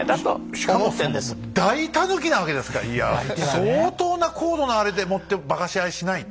相当な高度なあれでもって化かし合いしないと。